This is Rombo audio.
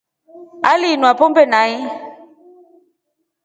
Aliinwa pombe nai.